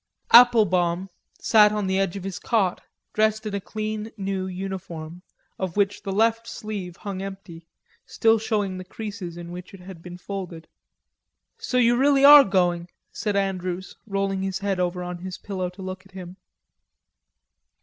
Applebaum sat on the edge of his cot, dressed in a clean new uniform, of which the left sleeve hung empty, still showing the creases in which it had been folded. "So you really are going," said Andrews, rolling his head over on his pillow to look at him.